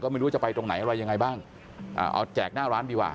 ไม่รู้จะไปตรงไหนอะไรยังไงบ้างเอาแจกหน้าร้านดีกว่า